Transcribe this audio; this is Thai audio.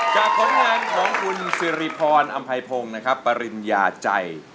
จากโครงงานของคุณสิริพรอำภัยพงศ์นะครับปริญญาใจ